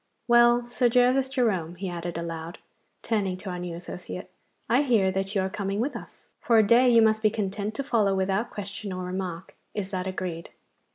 Well, Sir Gervas Jerome,' he added aloud, turning to our new associate, 'I hear that you are coming with us. For a day you must be content to follow without question or remark. Is that agreed!